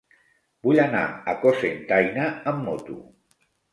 Vull anar a Cocentaina amb moto.